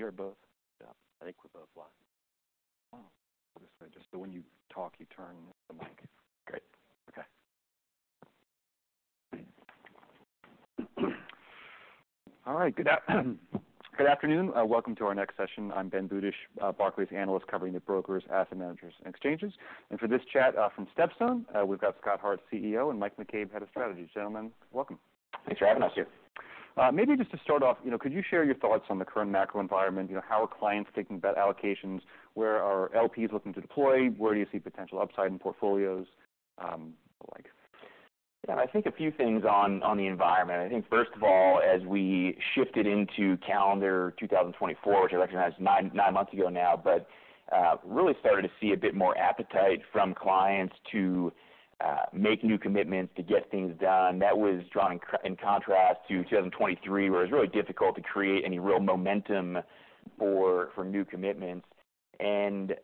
We are both up. I think we're both live. Wow! So just so when you talk, you turn the mic. Great. Okay. All right. Good afternoon. Welcome to our next session. I'm Ben Budish, Barclays analyst, covering the brokers, asset managers, and exchanges. For this chat, from StepStone, we've got Scott Hart, CEO, and Mike McCabe, Head of Strategy. Gentlemen, welcome. Thanks for having us here. Maybe just to start off, you know, could you share your thoughts on the current macro environment? You know, how are clients thinking about allocations? Where are LPs looking to deploy? Where do you see potential upside in portfolios, or the like? Yeah, I think a few things on the environment. I think first of all, as we shifted into calendar two thousand and twenty-four, which I recognize is nine months ago now, but really started to see a bit more appetite from clients to make new commitments to get things done. That was in contrast to two thousand and twenty-three, where it was really difficult to create any real momentum for new commitments. And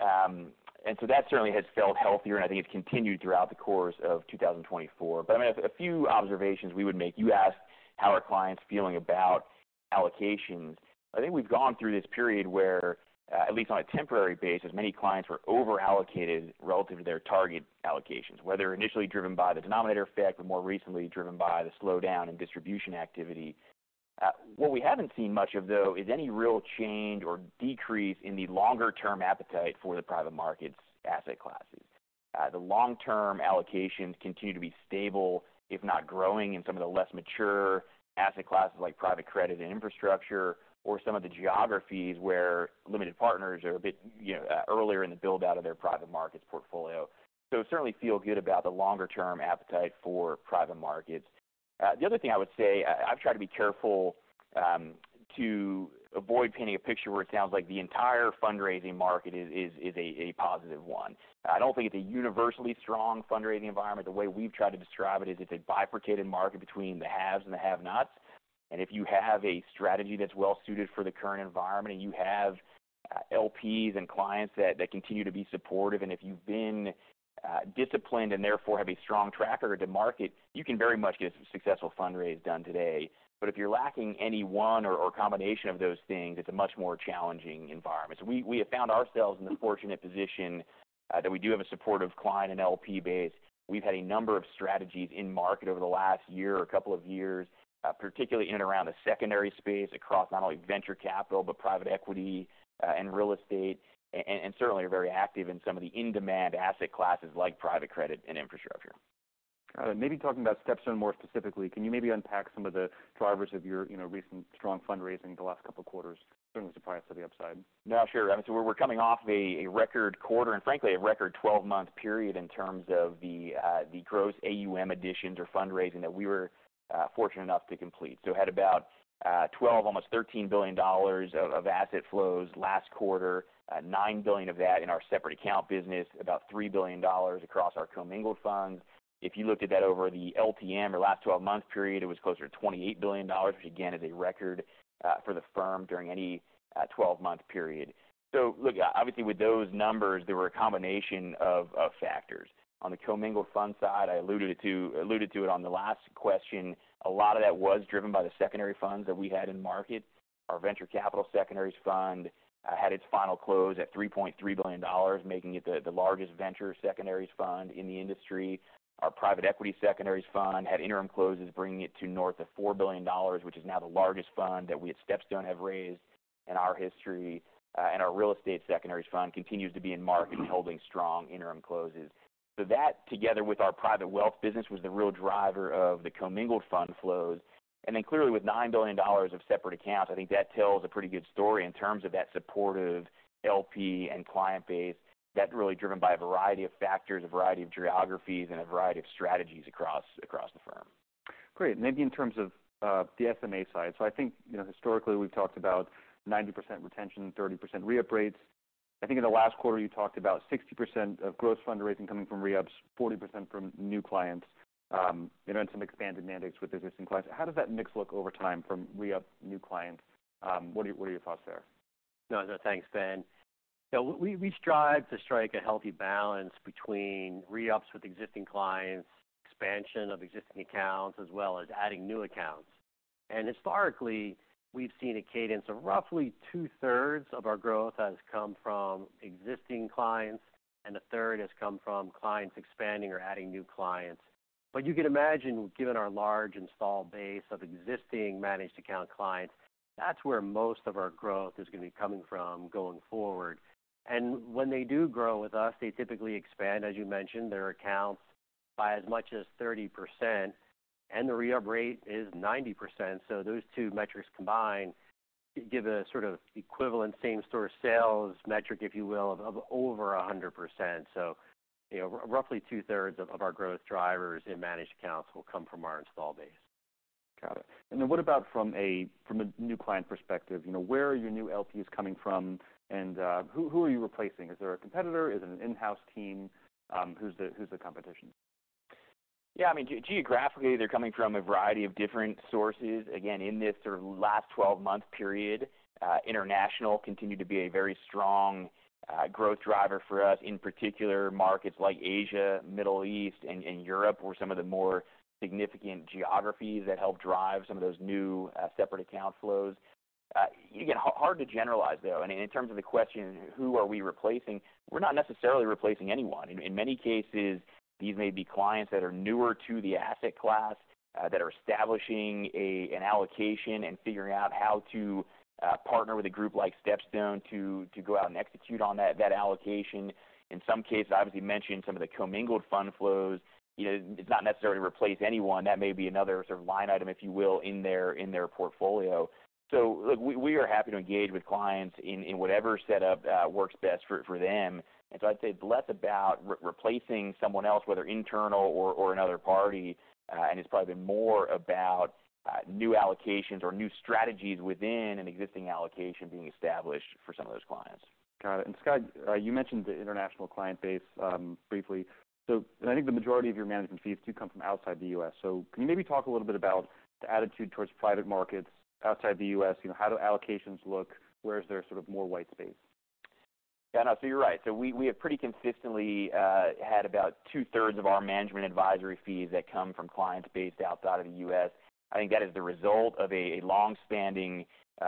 so that certainly has felt healthier, and I think it's continued throughout the course of two thousand and twenty-four. But I mean, a few observations we would make. You asked, how are clients feeling about allocations? I think we've gone through this period where, at least on a temporary basis, many clients were over-allocated relative to their target allocations, whether initially driven by the denominator effect or more recently driven by the slowdown in distribution activity. What we haven't seen much of, though, is any real change or decrease in the longer-term appetite for the private markets asset classes. The long-term allocations continue to be stable, if not growing, in some of the less mature asset classes, like private credit and infrastructure, or some of the geographies where limited partners are a bit, you know, earlier in the build-out of their private markets portfolio, so certainly feel good about the longer-term appetite for private markets. The other thing I would say, I've tried to be careful to avoid painting a picture where it sounds like the entire fundraising market is a positive one. I don't think it's a universally strong fundraising environment. The way we've tried to describe it is it's a bifurcated market between the haves and the have-nots, and if you have a strategy that's well suited for the current environment, and you have LPs and clients that continue to be supportive, and if you've been disciplined and therefore have a strong track record to market, you can very much get a successful fundraise done today, but if you're lacking any one or a combination of those things, it's a much more challenging environment. We have found ourselves in the fortunate position that we do have a supportive client and LP base. We've had a number of strategies in market over the last year or couple of years, particularly in and around the secondary space, across not only venture capital, but private equity, and real estate, and certainly are very active in some of the in-demand asset classes, like private credit and infrastructure. Maybe talking about StepStone more specifically, can you maybe unpack some of the drivers of your, you know, recent strong fundraising the last couple of quarters? Certainly surprised to the upside. No, sure. I mean, so we're coming off a record quarter, and frankly, a record twelve-month period in terms of the gross AUM additions or fundraising that we were fortunate enough to complete, so we had about $12 billion, almost $13 billion of asset flows last quarter, $9 billion of that in our separate account business, about $3 billion across our commingled funds. If you looked at that over the LTM or last twelve-month period, it was closer to $28 billion, which again is a record for the firm during any twelve-month period, so look, obviously, with those numbers, there were a combination of factors. On the commingled fund side, I alluded to it on the last question. A lot of that was driven by the secondary funds that we had in market. Our venture capital secondaries fund had its final close at $3.3 billion, making it the largest venture secondaries fund in the industry. Our private equity secondaries fund had interim closes, bringing it to north of $4 billion, which is now the largest fund that we at StepStone have raised in our history. And our real estate secondaries fund continues to be in market and holding strong interim closes. So that, together with our private wealth business, was the real driver of the commingled fund flows. And then clearly, with $9 billion of separate accounts, I think that tells a pretty good story in terms of that supportive LP and client base. That's really driven by a variety of factors, a variety of geographies, and a variety of strategies across the firm. Great. Maybe in terms of the SMA side. So I think, you know, historically, we've talked about 90% retention and 30% re-up rates. I think in the last quarter, you talked about 60% of gross fundraising coming from re-ups, 40% from new clients, you know, and some expanded mandates with existing clients. How does that mix look over time from re-up new clients? What are your thoughts there? No, no, thanks, Ben. So we, we strive to strike a healthy balance between re-ups with existing clients, expansion of existing accounts, as well as adding new accounts. And historically, we've seen a cadence of roughly two-thirds of our growth has come from existing clients, and a third has come from clients expanding or adding new clients. But you can imagine, given our large installed base of existing managed account clients, that's where most of our growth is going to be coming from going forward. And when they do grow with us, they typically expand, as you mentioned, their accounts by as much as 30%, and the re-up rate is 90%. So those two metrics combined give a sort of equivalent, same-store sales metric, if you will, of, of over 100%. Roughly 2/3 of our growth drivers in managed accounts will come from our installed base. Got it. And then what about from a new client perspective? You know, where are your new LPs coming from? And who are you replacing? Is there a competitor? Is it an in-house team? Who's the competition? Yeah, I mean, geographically, they're coming from a variety of different sources. Again, in this sort of last twelve-month period, international continued to be a very strong growth driver for us. In particular, markets like Asia, Middle East, and Europe were some of the more significant geographies that helped drive some of those new separate account flows. It's hard to generalize, though. I mean, in terms of the question, who are we replacing? We're not necessarily replacing anyone. In many cases, these may be clients that are newer to the asset class that are establishing an allocation and figuring out how to partner with a group like StepStone to go out and execute on that allocation. In some cases, obviously mentioned some of the commingled fund flows. You know, it's not necessarily to replace anyone. That may be another sort of line item, if you will, in their portfolio. So look, we are happy to engage with clients in whatever setup works best for them. And so I'd say it's less about replacing someone else, whether internal or another party, and it's probably been more about new allocations or new strategies within an existing allocation being established for some of those clients. Got it. And Scott, you mentioned the international client base briefly. So I think the majority of your management fees do come from outside the U.S. So can you maybe talk a little bit about the attitude towards private markets outside the U.S.? You know, how do allocations look? Where is there sort of more white space? Yeah, no, so you're right. So we have pretty consistently had about two-thirds of our management advisory fees that come from clients based outside of the US. I think that is the result of a long-standing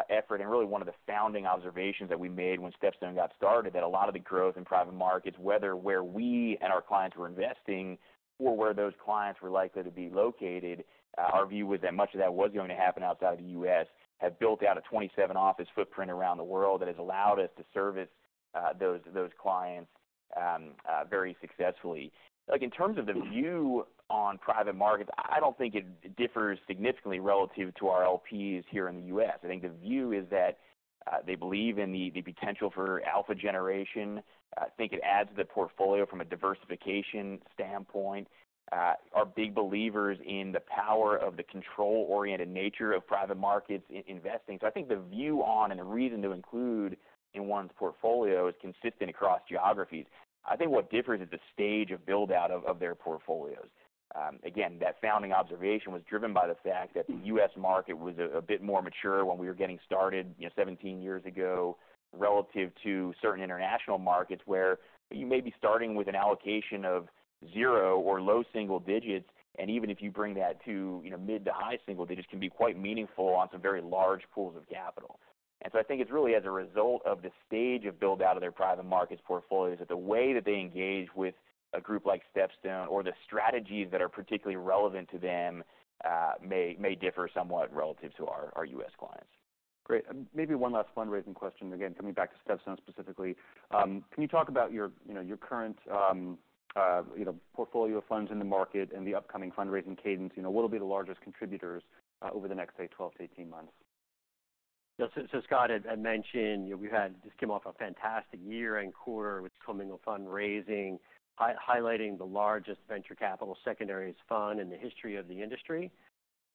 effort, and really one of the founding observations that we made when StepStone got started, that a lot of the growth in private markets, whether where we and our clients were investing or where those clients were likely to be located, our view was that much of that was going to happen outside the US, have built out a 27-office footprint around the world that has allowed us to service those clients very successfully. Like, in terms of the view on private markets, I don't think it differs significantly relative to our LPs here in the US. I think the view is that they believe in the potential for alpha generation. I think it adds to the portfolio from a diversification standpoint. Are big believers in the power of the control-oriented nature of private markets in investing. So I think the view on and the reason to include in one's portfolio is consistent across geographies. I think what differs is the stage of build-out of their portfolios. Again, that founding observation was driven by the fact that the U.S. market was a bit more mature when we were getting started, you know, 17 years ago, relative to certain international markets, where you may be starting with an allocation of zero or low single digits, and even if you bring that to, you know, mid to high single digits, can be quite meaningful on some very large pools of capital. I think it's really as a result of the stage of build-out of their private markets portfolios, that the way that they engage with a group like StepStone or the strategies that are particularly relevant to them may differ somewhat relative to our U.S. clients. Great. Maybe one last fundraising question, again, coming back to StepStone specifically. Can you talk about your, you know, your current, portfolio of funds in the market and the upcoming fundraising cadence? You know, what will be the largest contributors, over the next, say, 12-18 months? Yeah. So, Scott, as I mentioned, we had just came off a fantastic year and quarter with commingled fundraising, highlighting the largest venture capital secondaries fund in the history of the industry.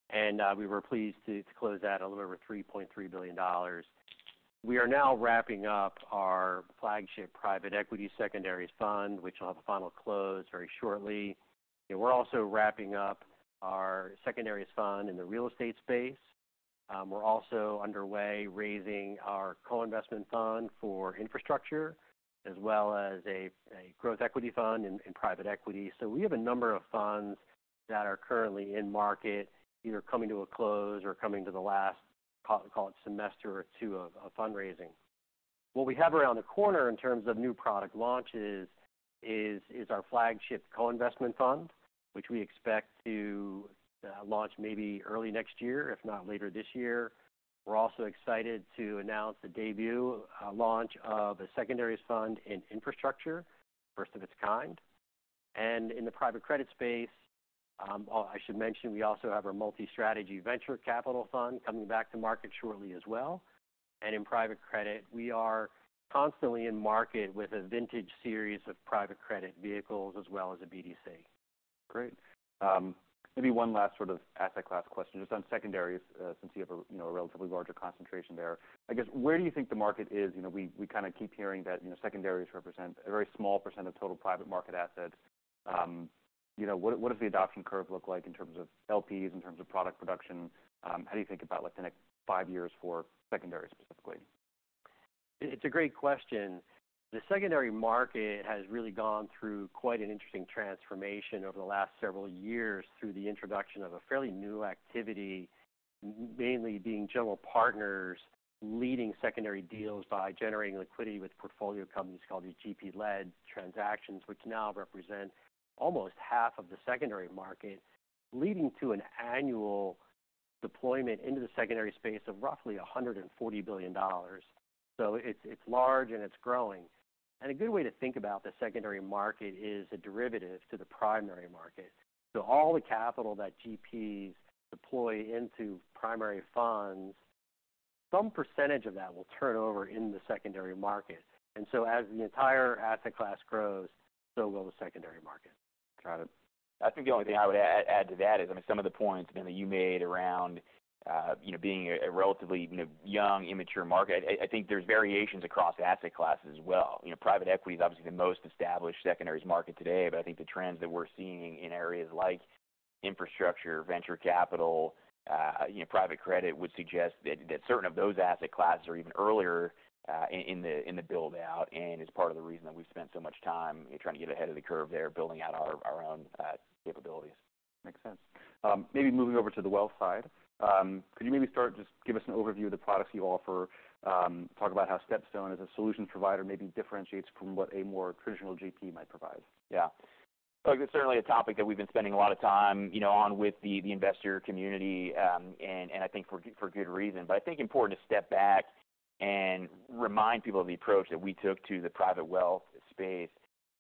And we were pleased to close that a little over $3.3 billion. We are now wrapping up our flagship private equity secondaries fund, which will have a final close very shortly. And we're also wrapping up our secondaries fund in the real estate space. We're also underway raising our co-investment fund for infrastructure, as well as a growth equity fund in private equity. So we have a number of funds that are currently in market, either coming to a close or coming to the last call it semester or two of fundraising. What we have around the corner in terms of new product launches is our flagship co-investment fund, which we expect to launch maybe early next year, if not later this year. We're also excited to announce the debut, launch of a secondaries fund in infrastructure, first of its kind. And in the private credit space, I should mention, we also have our multi-strategy venture capital fund coming back to market shortly as well. And in private credit, we are constantly in market with a vintage series of private credit vehicles, as well as a BDC. Great. Maybe one last sort of asset class question, just on secondaries, since you have a, you know, a relatively larger concentration there. I guess, where do you think the market is? You know, we kind of keep hearing that, you know, secondaries represent a very small % of total private market assets. You know, what does the adoption curve look like in terms of LPs, in terms of product production? How do you think about, like, the next five years for secondaries, specifically? It's a great question. The secondary market has really gone through quite an interesting transformation over the last several years through the introduction of a fairly new activity, mainly being general partners leading secondary deals by generating liquidity with portfolio companies called the GP-led transactions, which now represent almost half of the secondary market, leading to an annual deployment into the secondary space of roughly $140 billion. So it's, it's large and it's growing. And a good way to think about the secondary market is a derivative to the primary market. So all the capital that GPs deploy into primary funds, some percentage of that will turn over in the secondary market. And so as the entire asset class grows, so will the secondary market. Got it. I think the only thing I would add to that is, I mean, some of the points, you know, you made around, you know, being a relatively, you know, young, immature market. I think there's variations across asset classes as well. You know, private equity is obviously the most established secondaries market today, but I think the trends that we're seeing in areas like infrastructure, venture capital, you know, private credit, would suggest that certain of those asset classes are even earlier in the build-out and is part of the reason that we've spent so much time trying to get ahead of the curve there, building out our own capabilities. Makes sense. Maybe moving over to the wealth side. Could you maybe start, just give us an overview of the products you offer, talk about how StepStone, as a solution provider, maybe differentiates from what a more traditional GP might provide? Yeah. Look, it's certainly a topic that we've been spending a lot of time, you know, on with the investor community, and I think for good reason. But I think important to step back and remind people of the approach that we took to the private wealth space,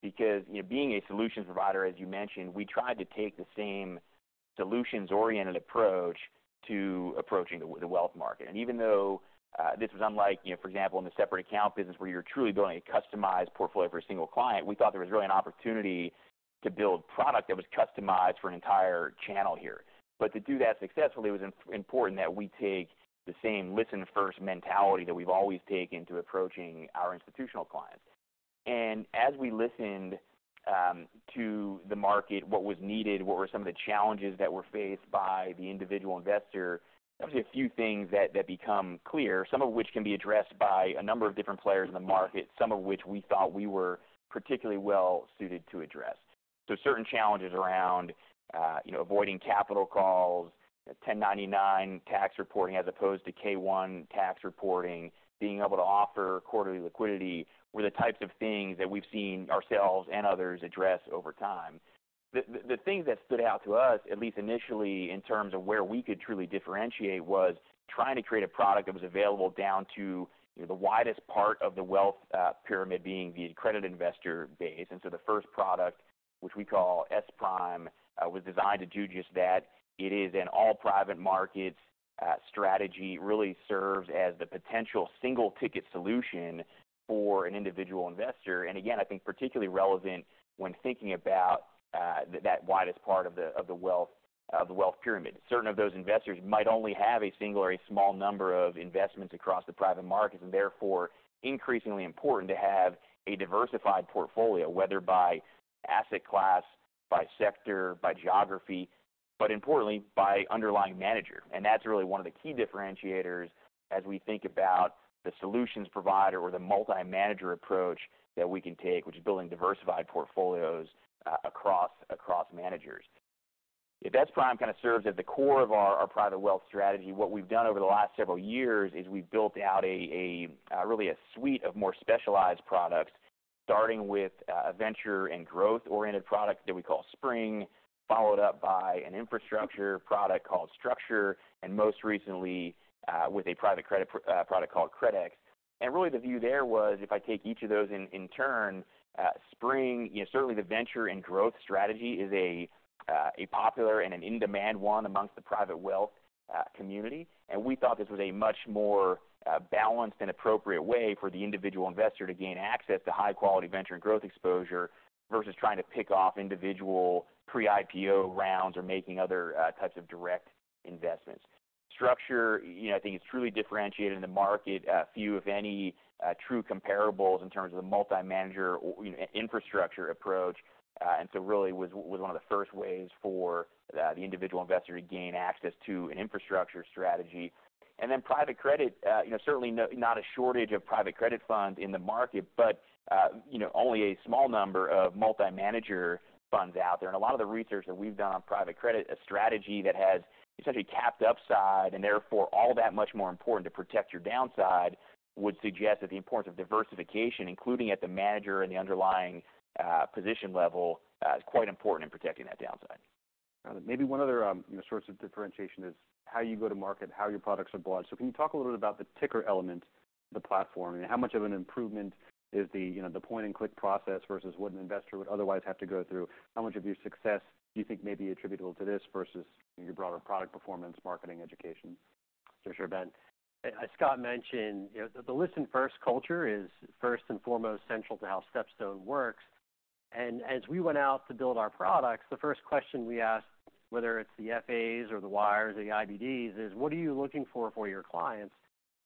because, you know, being a solution provider, as you mentioned, we tried to take the same solutions-oriented approach to approaching the wealth market. And even though this was unlike, you know, for example, in the separate account business, where you're truly building a customized portfolio for a single client, we thought there was really an opportunity to build product that was customized for an entire channel here. But to do that successfully, it was important that we take the same listen first mentality that we've always taken to approaching our institutional clients. As we listened to the market, what was needed, what were some of the challenges that were faced by the individual investor? Obviously, a few things that become clear, some of which can be addressed by a number of different players in the market, some of which we thought we were particularly well suited to address. Certain challenges around, you know, avoiding capital calls, 1099 tax reporting, as opposed to K-1 tax reporting, being able to offer quarterly liquidity, were the types of things that we've seen ourselves and others address over time. The things that stood out to us, at least initially, in terms of where we could truly differentiate, was trying to create a product that was available down to, you know, the widest part of the wealth pyramid, being the accredited investor base. And so the first product, which we call SPRIM, was designed to do just that. It is an all-private market strategy, really serves as the potential single ticket solution for an individual investor. And again, I think particularly relevant when thinking about that widest part of the wealth pyramid. Certain of those investors might only have a single or a small number of investments across the private markets, and therefore increasingly important to have a diversified portfolio, whether by asset class, by sector, by geography, but importantly, by underlying manager. And that's really one of the key differentiators as we think about the solutions provider or the multi-manager approach that we can take, which is building diversified portfolios across managers. If SPRIM kind of serves at the core of our private wealth strategy, what we've done over the last several years is we've built out a really a suite of more specialized products, starting with a venture and growth-oriented product that we call Spring, followed up by an infrastructure product called Structure, and most recently with a private credit product called CRDEX. And really, the view there was, if I take each of those in turn, Spring, you know, certainly the venture and growth strategy is a popular and an in-demand one amongst the private wealth community. We thought this was a much more balanced and appropriate way for the individual investor to gain access to high-quality venture and growth exposure, versus trying to pick off individual pre-IPO rounds or making other types of direct investments. Structure, you know, I think it's truly differentiated in the market. Few, if any, true comparables in terms of the multi-manager or, you know, infrastructure approach. And so really was one of the first ways for the individual investor to gain access to an infrastructure strategy. And then private credit, you know, certainly not a shortage of private credit funds in the market, but, you know, only a small number of multi-manager funds out there. A lot of the research that we've done on private credit, a strategy that has essentially capped upside, and therefore, all that much more important to protect your downside, would suggest that the importance of diversification, including at the manager and the underlying position level, is quite important in protecting that downside. Got it. Maybe one other, you know, source of differentiation is how you go to market, how your products are bought. So can you talk a little bit about the ticker element, the platform, and how much of an improvement is the, you know, the point-and-click process versus what an investor would otherwise have to go through? How much of your success do you think may be attributable to this versus your broader product performance, marketing, education? For sure, Ben. As Scott mentioned, you know, the, the listen first culture is, first and foremost, central to how StepStone works. And as we went out to build our products, the first question we asked, whether it's the FAs or the wires or the IBDs, is: What are you looking for for your clients?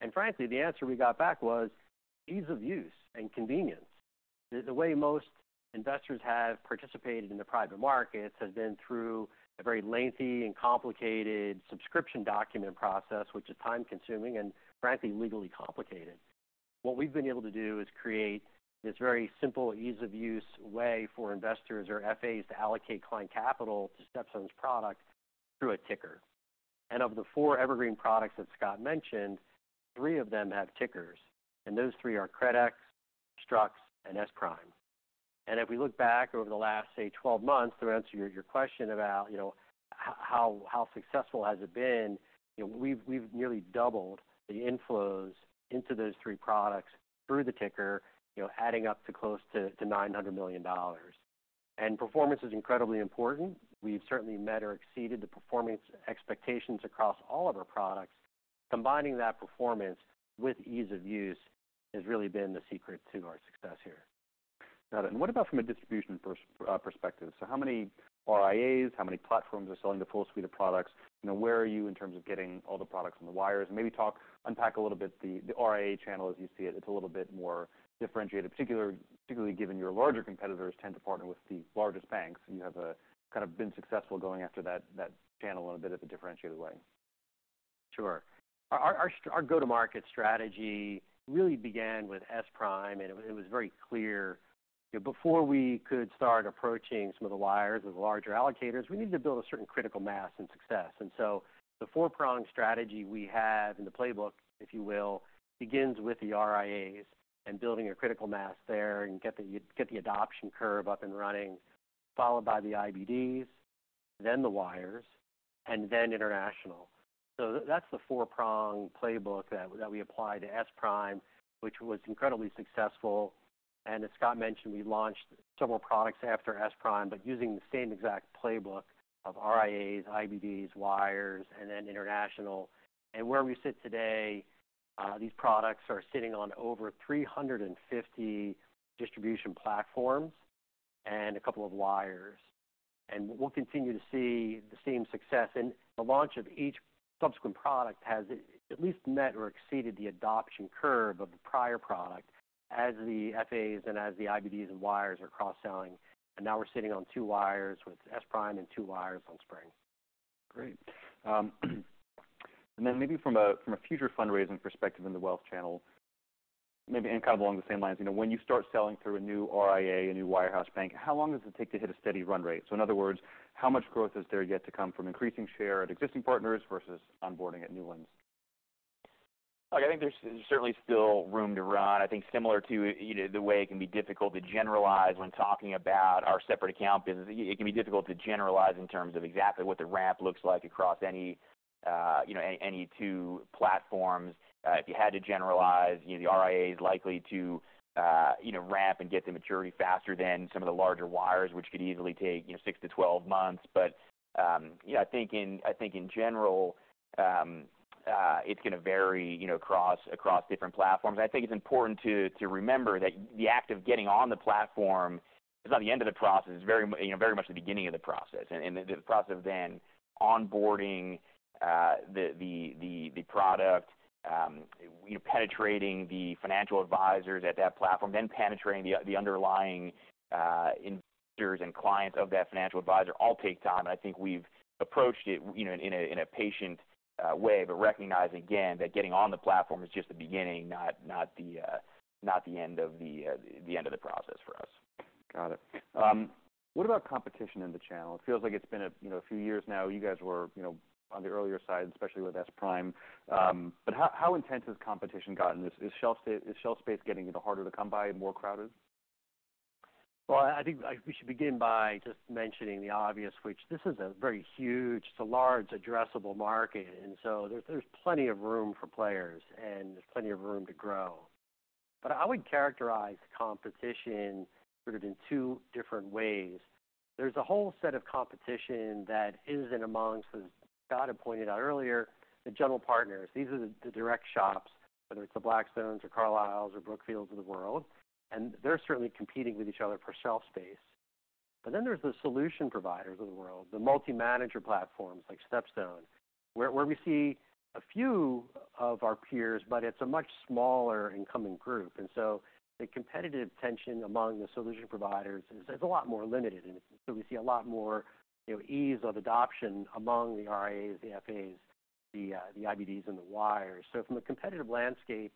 And frankly, the answer we got back was ease of use and convenience. The, the way most investors have participated in the private markets has been through a very lengthy and complicated subscription document process, which is time-consuming and, frankly, legally complicated. What we've been able to do is create this very simple, ease-of-use way for investors or FAs to allocate client capital to StepStone's product through a ticker. And of the four evergreen products that Scott mentioned, three of them have tickers, and those three are CRDEX, Structure, and SPRIM. If we look back over the last, say, 12 months, to answer your question about, you know, how successful has it been? You know, we've nearly doubled the inflows into those three products through the ticker, you know, adding up to close to $900 million. Performance is incredibly important. We've certainly met or exceeded the performance expectations across all of our products. Combining that performance with ease of use has really been the secret to our success here. Got it. And what about from a distribution perspective? So how many RIAs, how many platforms are selling the full suite of products? You know, where are you in terms of getting all the products on the wires? And maybe talk unpack a little bit the RIA channel as you see it. It's a little bit more differentiated, particularly given your larger competitors tend to partner with the largest banks. You have kind of been successful going after that channel in a bit of a differentiated way. Sure. Our go-to-market strategy really began with SPRIM, and it was very clear. Before we could start approaching some of the wires with larger allocators, we needed to build a certain critical mass and success. And so the four-pronged strategy we have in the playbook, if you will, begins with the RIAs and building a critical mass there and get the adoption curve up and running, followed by the IBDs, then the wires, and then international. So that's the four-prong playbook that we apply to SPRIM, which was incredibly successful. And as Scott mentioned, we launched several products after SPRIM, but using the same exact playbook of RIAs, IBDs, wires, and then international. And where we sit today, these products are sitting on over 350 distribution platforms and a couple of wires. We'll continue to see the same success. The launch of each subsequent product has at least met or exceeded the adoption curve of the prior product as the FAs and the IBDs and wires are cross-selling. Now we're sitting on two wires with SPRIM and two wires on Spring. Great. And then maybe from a future fundraising perspective in the wealth channel, maybe, and kind of along the same lines, you know, when you start selling through a new RIA, a new wirehouse bank, how long does it take to hit a steady run rate? So in other words, how much growth is there yet to come from increasing share at existing partners versus onboarding at new ones? I think there's certainly still room to run. I think similar to, you know, the way it can be difficult to generalize when talking about our separate account business, it can be difficult to generalize in terms of exactly what the ramp looks like across any, you know, two platforms. If you had to generalize, you know, the RIA is likely to, you know, ramp and get to maturity faster than some of the larger wires, which could easily take six to 12 months, but yeah, I think in general, it's gonna vary, you know, across different platforms. I think it's important to remember that the act of getting on the platform is not the end of the process. It's very, you know, very much the beginning of the process. And the process of then onboarding the product, penetrating the financial advisors at that platform, then penetrating the underlying investors and clients of that financial advisor all takes time. I think we've approached it, you know, in a patient way, but recognizing again, that getting on the platform is just the beginning, not the end of the process for us. Got it. What about competition in the channel? It feels like it's been a, you know, few years now. You guys were, you know, on the earlier side, especially with SPRIM. But how intense has competition gotten? Is shelf space getting harder to come by and more crowded? I think we should begin by just mentioning the obvious, which this is a very huge, it's a large addressable market, and so there's plenty of room for players, and there's plenty of room to grow. But I would characterize competition sort of in two different ways. There's a whole set of competition that is in amongst, as Scott had pointed out earlier, the general partners. These are the direct shops, whether it's the Blackstones or Carlisles or Brookfields of the world, and they're certainly competing with each other for shelf space. But then there's the solution providers of the world, the multi-manager platforms like StepStone, where we see a few of our peers, but it's a much smaller incoming group. And so the competitive tension among the solution providers is a lot more limited, and so we see a lot more, you know, ease of adoption among the RIAs, the FAs, the IBDs, and the wires. So from a competitive landscape,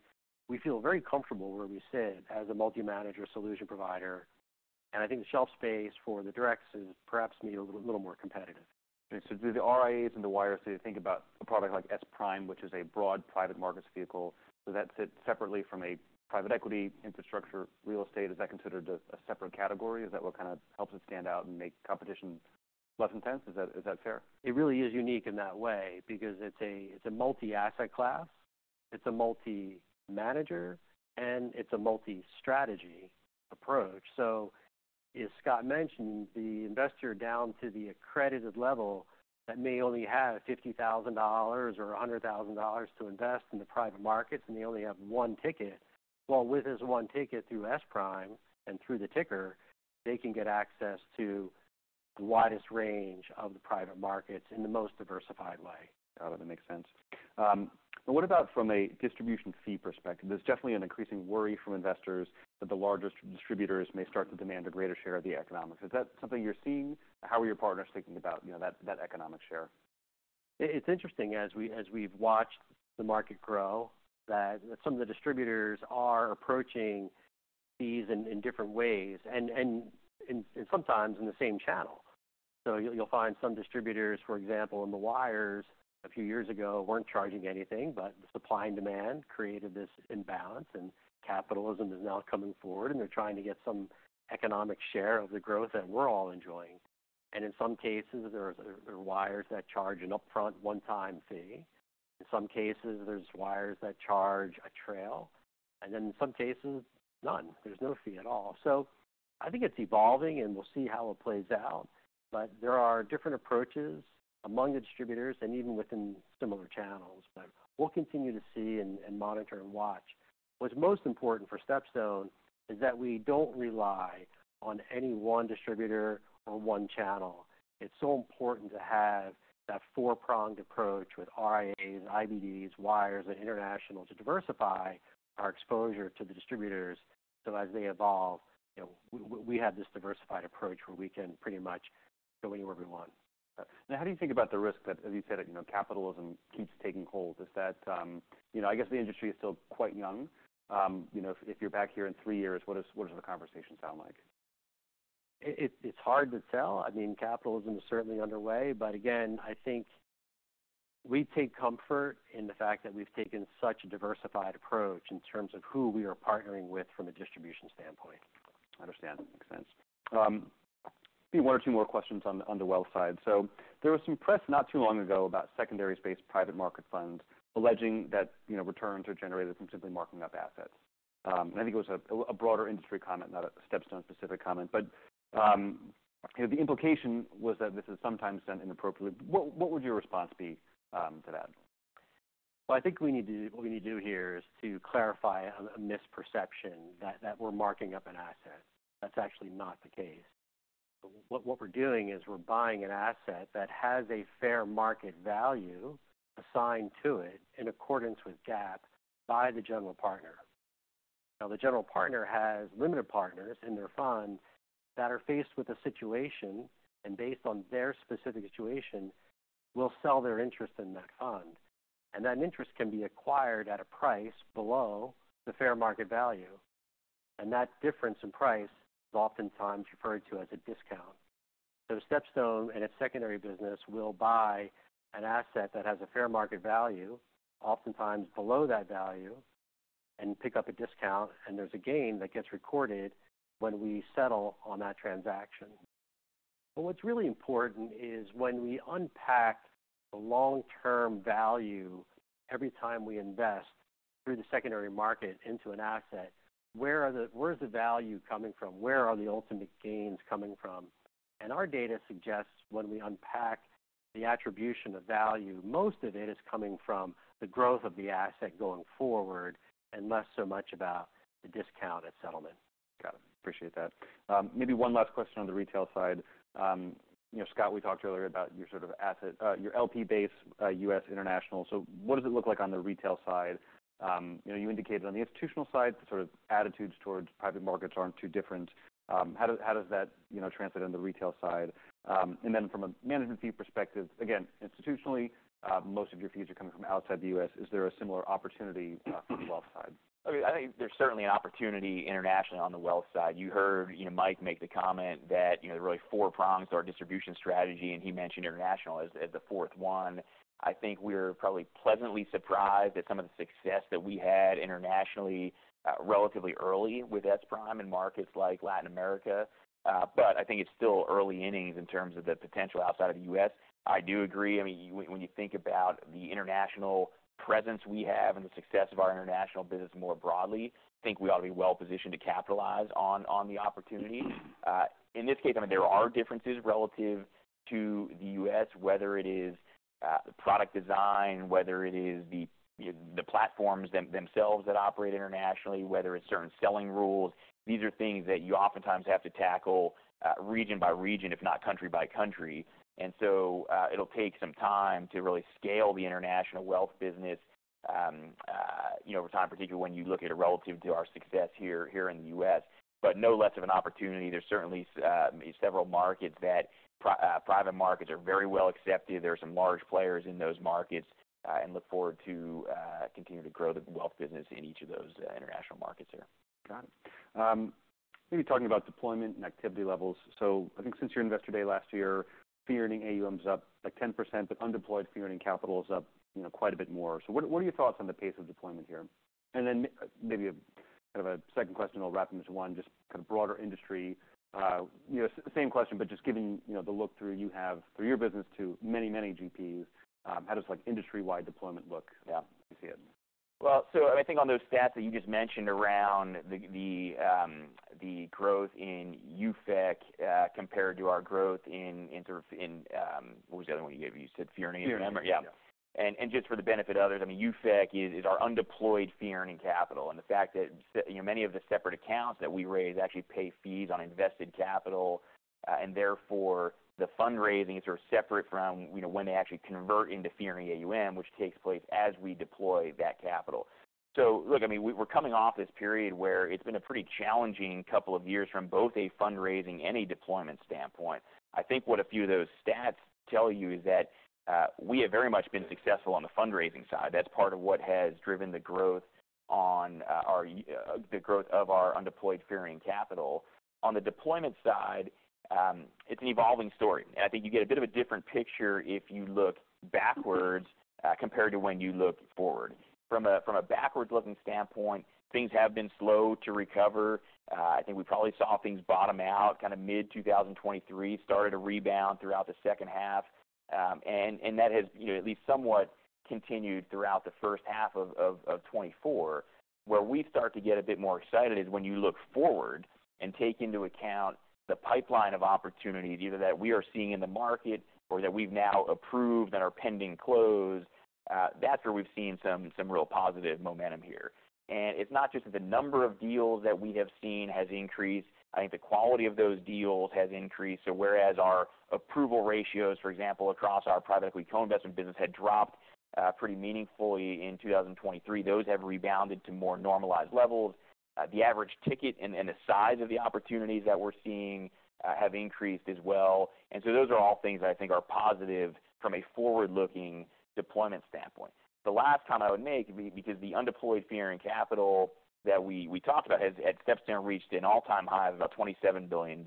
we feel very comfortable where we sit as a multi-manager solution provider, and I think the shelf space for the directs is perhaps maybe a little more competitive. So do the RIAs and the wires, so you think about a product like SPRIM, which is a broad private markets vehicle, so that's it separately from a private equity infrastructure. Real estate, is that considered a, a separate category? Is that what kind of helps it stand out and make competition less intense? Is that, is that fair? It really is unique in that way because it's a, it's a multi-asset class, it's a multi-manager, and it's a multi-strategy approach. So as Scott mentioned, the investor down to the accredited level that may only have $50,000 or $100,000 to invest in the private markets, and they only have one ticket. With this one ticket through SPRIM and through the ticker, they can get access to the widest range of the private markets in the most diversified way. Got it. That makes sense. What about from a distribution fee perspective? There's definitely an increasing worry from investors that the larger distributors may start to demand a greater share of the economics. Is that something you're seeing? How are your partners thinking about, you know, that economic share? It's interesting, as we've watched the market grow, that some of the distributors are approaching fees in different ways and sometimes in the same channel. So you'll find some distributors, for example, in the wirehouses a few years ago, weren't charging anything, but the supply and demand created this imbalance, and capitalism is now coming forward, and they're trying to get some economic share of the growth that we're all enjoying. And in some cases, there are wirehouses that charge an upfront one-time fee. In some cases, there's wirehouses that charge a trail, and then in some cases, none. There's no fee at all. So I think it's evolving, and we'll see how it plays out. But there are different approaches among the distributors and even within similar channels. But we'll continue to see and monitor and watch. What's most important for StepStone is that we don't rely on any one distributor or one channel. It's so important to have that four-pronged approach with RIAs, IBDs, wires, and international to diversify our exposure to the distributors, so as they evolve, you know, we have this diversified approach where we can pretty much... We were everyone. Now, how do you think about the risk that, as you said, you know, capitalism keeps taking hold? Is that, you know, I guess the industry is still quite young. You know, if you're back here in three years, what does the conversation sound like? It's hard to tell. I mean, capitalism is certainly underway, but again, I think we take comfort in the fact that we've taken such a diversified approach in terms of who we are partnering with from a distribution standpoint. I understand. Makes sense. Maybe one or two more questions on the wealth side. So there was some press not too long ago about secondary space private market funds, alleging that, you know, returns are generated from simply marking up assets. And I think it was a broader industry comment, not a StepStone-specific comment, but, you know, the implication was that this is sometimes done inappropriately. What would your response be to that? I think what we need to do here is to clarify a misperception that we're marking up an asset. That's actually not the case. What we're doing is we're buying an asset that has a fair market value assigned to it in accordance with GAAP by the general partner. Now, the general partner has limited partners in their funds that are faced with a situation, and based on their specific situation, will sell their interest in that fund, that interest can be acquired at a price below the fair market value, and that difference in price is oftentimes referred to as a discount. StepStone, in its secondary business, will buy an asset that has a fair market value, oftentimes below that value, and pick up a discount, and there's a gain that gets recorded when we settle on that transaction. But what's really important is when we unpack the long-term value, every time we invest through the secondary market into an asset, where's the value coming from? Where are the ultimate gains coming from? And our data suggests when we unpack the attribution of value, most of it is coming from the growth of the asset going forward, and less so much about the discount at settlement. Got it. Appreciate that. Maybe one last question on the retail side. You know, Scott, we talked earlier about your sort of asset, your LP base, U.S. international. So what does it look like on the retail side? You know, you indicated on the institutional side, the sort of attitudes towards private markets aren't too different. How does that, you know, translate on the retail side? And then from a management fee perspective, again, institutionally, most of your fees are coming from outside the U.S. Is there a similar opportunity, from the wealth side? I mean, I think there's certainly an opportunity internationally on the wealth side. You heard, you know, Mike make the comment that, you know, there are really four prongs to our distribution strategy, and he mentioned international as the fourth one. I think we're probably pleasantly surprised at some of the success that we had internationally, relatively early with SPRIM in markets like Latin America. But I think it's still early innings in terms of the potential outside of the U.S. I do agree, I mean, when you think about the international presence we have and the success of our international business more broadly, I think we ought to be well positioned to capitalize on the opportunity. In this case, I mean, there are differences relative to the U.S., whether it is product design, whether it is the platforms themselves that operate internationally, whether it's certain selling rules. These are things that you oftentimes have to tackle, region by region, if not country by country. And so, it'll take some time to really scale the international wealth business, you know, over time, particularly when you look at it relative to our success here in the U.S. But no less of an opportunity. There's certainly several markets that private markets are very well accepted. There are some large players in those markets, and look forward to continuing to grow the wealth business in each of those international markets here. Got it. Maybe talking about deployment and activity levels. So I think since your Investor Day last year, fee-earning AUM is up, like, 10%, but undeployed fee-earning capital is up, you know, quite a bit more. So what are your thoughts on the pace of deployment here? And then maybe a kind of a second question, I'll wrap into one, just kind of broader industry. You know, same question, but just giving, you know, the look through you have through your business to many, many GPs, how does, like, industry-wide deployment look? Yeah, you see it. Well, so I think on those stats that you just mentioned around the growth in UFEC, compared to our growth in what was the other one you gave? You said fee earning- Fee earning. Yeah. And just for the benefit of others, I mean, UFEC is our undeployed fee earning capital. And the fact that, you know, many of the separate accounts that we raise actually pay fees on invested capital, and therefore, the fundraising is sort of separate from, you know, when they actually convert into fee earning AUM, which takes place as we deploy that capital. So look, I mean, we're coming off this period where it's been a pretty challenging couple of years from both a fundraising and a deployment standpoint. I think what a few of those stats tell you is that we have very much been successful on the fundraising side. That's part of what has driven the growth of our undeployed fee earning capital. On the deployment side, it's an evolving story. I think you get a bit of a different picture if you look backwards compared to when you look forward. From a backwards-looking standpoint, things have been slow to recover. I think we probably saw things bottom out kinda mid-2023, started to rebound throughout the H2, and that has, you know, at least somewhat continued throughout the H1 of 2024. Where we start to get a bit more excited is when you look forward and take into account the pipeline of opportunities, either that we are seeing in the market or that we've now approved and are pending close. That's where we've seen some real positive momentum here. It's not just that the number of deals that we have seen has increased. I think the quality of those deals has increased. So whereas our approval ratios, for example, across our private equity co-investment business, had dropped pretty meaningfully in 2023, those have rebounded to more normalized levels. The average ticket and the size of the opportunities that we're seeing have increased as well. And so those are all things that I think are positive from a forward-looking deployment standpoint. The last comment I would make, because the undeployed fee-earning capital that we talked about has at StepStone reached an all-time high of about $27 billion.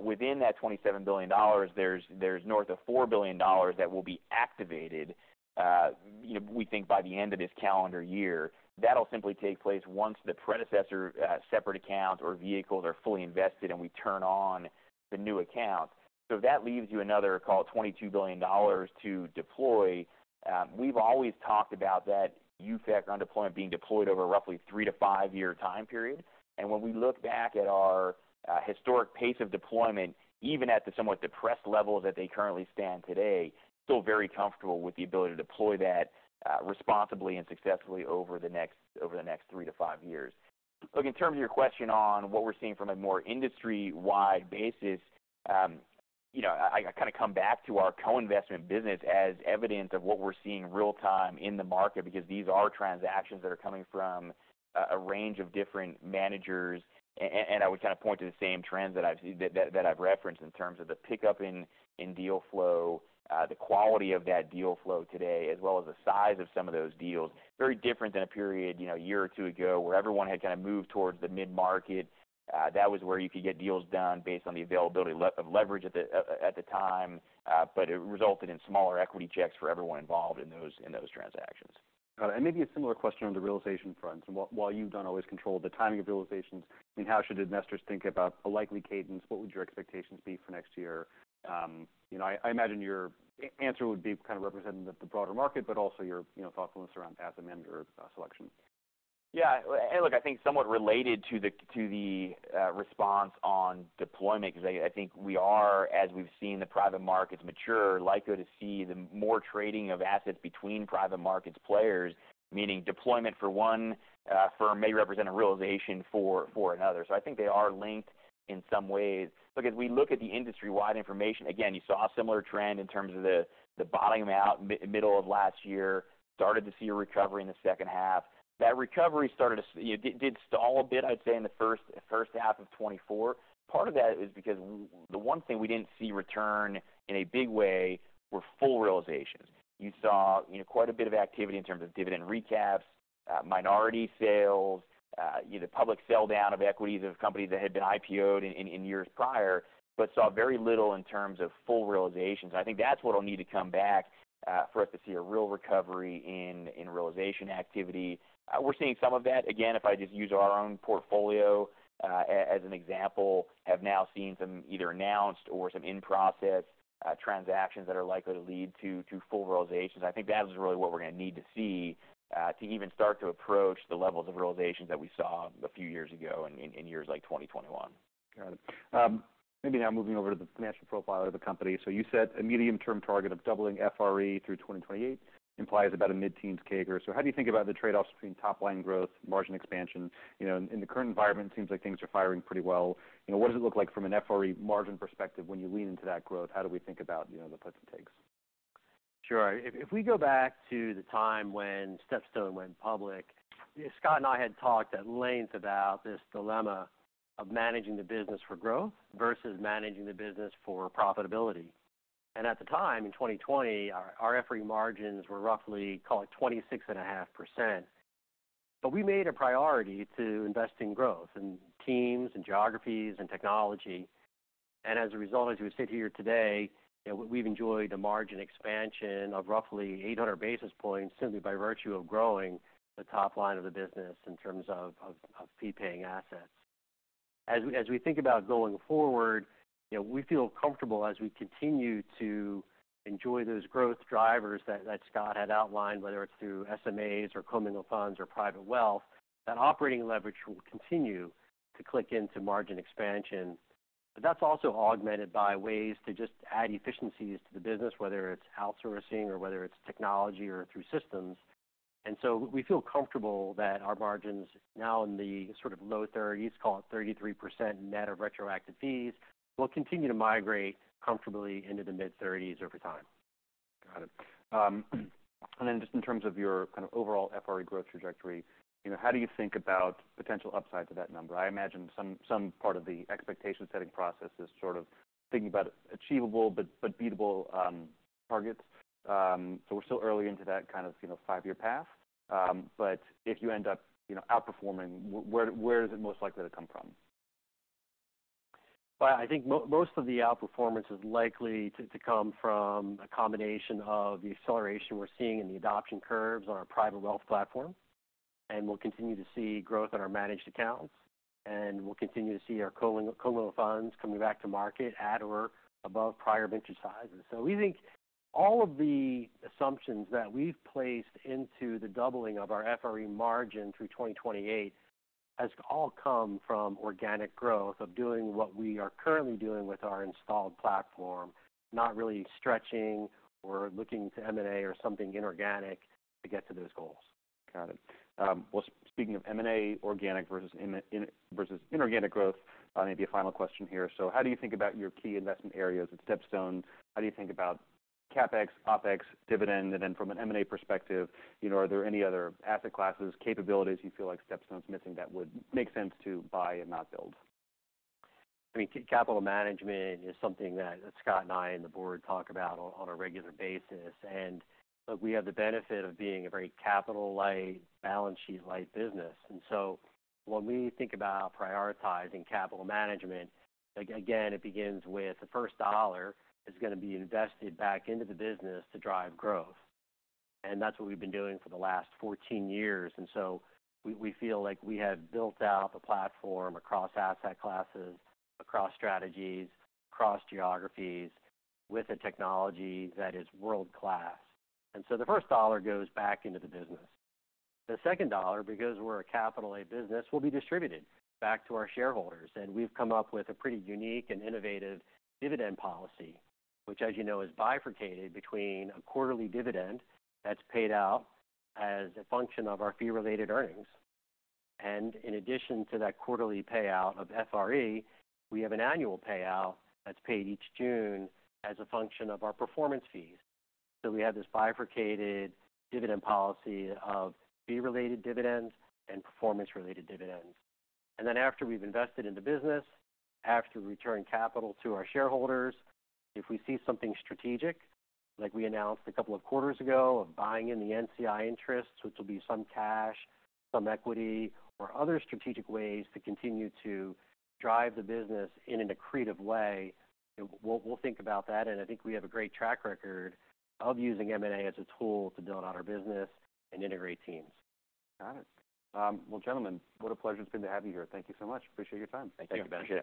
Within that $27 billion, there's north of $4 billion that will be activated, you know, we think by the end of this calendar year. That'll simply take place once the predecessor separate accounts or vehicles are fully invested, and we turn on the new account. So that leaves you another, call it $22 billion to deploy. We've always talked about that UFEC deployment being deployed over a roughly three- to five-year time period. When we look back at our historic pace of deployment, even at the somewhat depressed levels that they currently stand today, still very comfortable with the ability to deploy that responsibly and successfully over the next three to five years. Look, in terms of your question on what we're seeing from a more industry-wide basis. You know, I kind of come back to our co-investment business as evidence of what we're seeing real-time in the market, because these are transactions that are coming from a range of different managers. And I would kind of point to the same trends that I've referenced in terms of the pickup in deal flow, the quality of that deal flow today, as well as the size of some of those deals. Very different than a period, you know, a year or two ago, where everyone had kind of moved towards the mid-market. That was where you could get deals done based on the availability of leverage at the time, but it resulted in smaller equity checks for everyone involved in those transactions. Got it. And maybe a similar question on the realization front. While you don't always control the timing of realizations, I mean, how should investors think about a likely cadence? What would your expectations be for next year? You know, I imagine your answer would be kind of representing the broader market, but also your thoughtfulness around asset manager selection. Yeah. And look, I think somewhat related to the response on deployment, because I think we are, as we've seen the private markets mature, likely to see the more trading of assets between private markets players, meaning deployment for one firm may represent a realization for another. So I think they are linked in some ways. Look, as we look at the industry-wide information, again, you saw a similar trend in terms of the bottoming out middle of last year, started to see a recovery in the H2. That recovery started to stall a bit, I'd say, in the H1 of 2024. Part of that is because the one thing we didn't see return in a big way were full realizations. You saw, you know, quite a bit of activity in terms of dividend recaps, minority sales, you know, public sell down of equities of companies that had been IPO'd in years prior, but saw very little in terms of full realizations. I think that's what'll need to come back for us to see a real recovery in realization activity. We're seeing some of that. Again, if I just use our own portfolio as an example, have now seen some either announced or some in-process transactions that are likely to lead to full realizations. I think that is really what we're gonna need to see to even start to approach the levels of realizations that we saw a few years ago in years like 2021. Got it. Maybe now moving over to the financial profile of the company. So you set a medium-term target of doubling FRE through 2028, implies about a mid-teen CAGR. So how do you think about the trade-offs between top line growth, margin expansion? You know, in the current environment, seems like things are firing pretty well. You know, what does it look like from an FRE margin perspective when you lean into that growth? How do we think about, you know, the puts and takes? Sure. If we go back to the time when StepStone went public, Scott and I had talked at length about this dilemma of managing the business for growth versus managing the business for profitability. And at the time, in 2020, our FRE margins were roughly, call it, 26.5%. But we made a priority to invest in growth, in teams, in geographies, in technology. And as a result, as we sit here today, you know, we've enjoyed a margin expansion of roughly 800 basis points, simply by virtue of growing the top line of the business in terms of fee-paying assets. As we think about going forward, you know, we feel comfortable as we continue to enjoy those growth drivers that Scott had outlined, whether it's through SMAs or commingled funds or private wealth, that operating leverage will continue to click into margin expansion. But that's also augmented by ways to just add efficiencies to the business, whether it's outsourcing or whether it's technology or through systems. And so we feel comfortable that our margins, now in the sort of low thirties, call it 33% net of retroactive fees, will continue to migrate comfortably into the mid-thirties over time. Got it. And then just in terms of your kind of overall FRE growth trajectory, you know, how do you think about potential upside to that number? I imagine some part of the expectation-setting process is sort of thinking about achievable but beatable targets. So we're still early into that kind of, you know, five-year path, but if you end up, you know, outperforming, where is it most likely to come from? I think most of the outperformance is likely to come from a combination of the acceleration we're seeing in the adoption curves on our private wealth platform, and we'll continue to see growth in our managed accounts, and we'll continue to see our commingled funds coming back to market at or above prior vintage sizes. We think all of the assumptions that we've placed into the doubling of our FRE margin through 2028 has all come from organic growth of doing what we are currently doing with our installed platform, not really stretching or looking to M&A or something inorganic to get to those goals. Got it. Well, speaking of M&A, organic versus inorganic growth, maybe a final question here: So how do you think about your key investment areas at StepStone? How do you think about CapEx, OpEx, dividend? And then from an M&A perspective, you know, are there any other asset classes, capabilities you feel like StepStone's missing, that would make sense to buy and not build? I mean, capital management is something that Scott and I and the board talk about on a regular basis, and look, we have the benefit of being a very capital-light, balance sheet-light business, and so when we think about prioritizing capital management, again, it begins with the first dollar is gonna be invested back into the business to drive growth, and that's what we've been doing for the last 14 years, and so we feel like we have built out the platform across asset classes, across strategies, across geographies, with a technology that is world-class, and so the first dollar goes back into the business. The second dollar, because we're a capital light business, will be distributed back to our shareholders, and we've come up with a pretty unique and innovative dividend policy, which, as you know, is bifurcated between a quarterly dividend that's paid out as a function of our fee-related earnings, and in addition to that quarterly payout of FRE, we have an annual payout that's paid each June as a function of our performance fees, so we have this bifurcated dividend policy of fee-related dividends and performance-related dividends. Then, after we've invested in the business, after we return capital to our shareholders, if we see something strategic, like we announced a couple of quarters ago, of buying in the NCI interests, which will be some cash, some equity, or other strategic ways to continue to drive the business in an accretive way, we'll think about that, and I think we have a great track record of using M&A as a tool to build out our business and integrate teams. Got it. Well, gentlemen, what a pleasure it's been to have you here. Thank you so much. Appreciate your time. Thank you. Thank you.